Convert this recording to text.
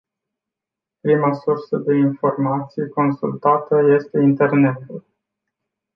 Prima sursă de informații consultată este internetul.